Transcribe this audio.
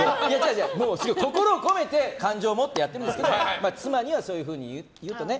心を込めて感情を持ってやってるんですけど妻にはそういうふうに言うとね。